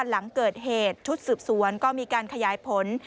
หลังเกิดเหตุชุดสืบสวนก็มีการขยายผล